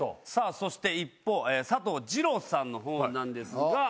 そして一方佐藤二朗さんのほうなんですが。